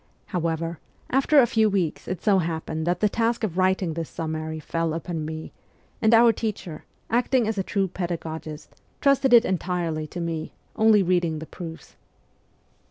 However, after a few weeks it so happened that the task of writing this summary fell upon me, and our teacher, acting as a true pedagogist, trusted it entirely 134 MEMOIRS OF A REVOLUTIONIST to me, only reading the proofs.